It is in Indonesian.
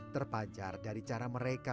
terpancar dari cara menerima